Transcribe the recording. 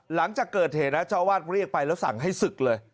หลังจากเกิดเหตุนะเจ้าอาวาสเรียกไปแล้วสั่งให้ศึกเลย